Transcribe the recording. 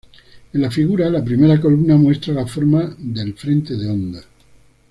En la figura, la primera columna muestra la forma del frente de onda.